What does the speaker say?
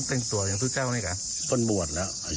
ช่วงนี้เป็นปิดเหรอ